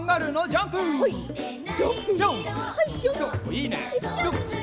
いいね！